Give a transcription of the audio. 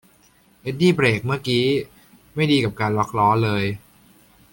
เอ็ดดี้เบรกเมื่อกี๊ไม่ดีกับการล็อคล้อเลย